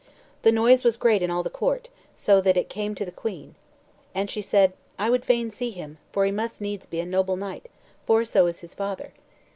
The noise was great in all the court, so that it came to the queen. And she said, "I would fain see him, for he must needs be a noble knight, for so is his father."